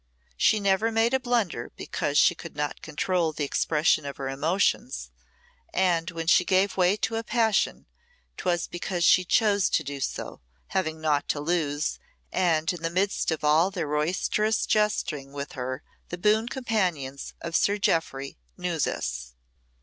She never made a blunder because she could not control the expression of her emotions; and when she gave way to a passion, 'twas because she chose to do so, having naught to lose, and in the midst of all their riotous jesting with her the boon companions of Sir Jeoffry knew this.